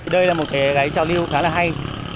đây là một cái trào lưu khá là hay